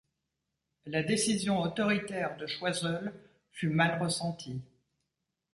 La décision autoritaire de Choiseul fut mal ressentie.